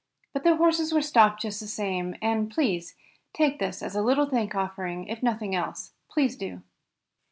But the horses were stopped just the same, and please take this as a little thank offering, if nothing else. Please do."